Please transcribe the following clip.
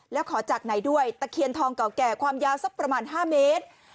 แล้วขอจากไหนด้วยตะเคียนทองเก่าแก่ความยาวสักประมาณ๕เมตร